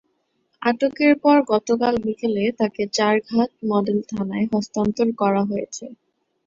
আটকের পর গতকাল বিকেলে তাঁকে চারঘাট মডেল থানায় হস্তান্তর করা হয়েছে।